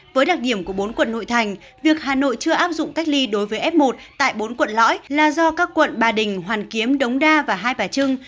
với đặc điểm của bốn quận nội thành việc hà nội chưa áp dụng cách ly đối với f một tại bốn quận lõi là do các quận ba đình hoàn kiếm đống đa và hai bà trưng